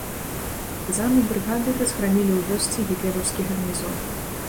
Партызаны брыгады разграмілі ў вёсцы гітлераўскі гарнізон.